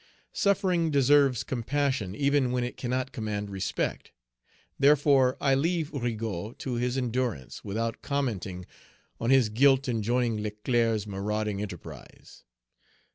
Suffering deserves compassion even when it cannot command respect. Therefore, I leave Rigaud to his endurance, without commenting on his guilt in joining Leclerc's marauding enterprise.